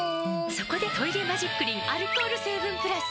そこで「トイレマジックリン」アルコール成分プラス！